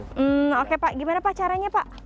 hmm oke pak gimana pak caranya pak